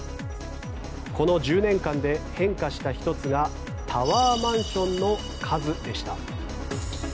この１０年間で変化した１つがタワーマンションの数でした。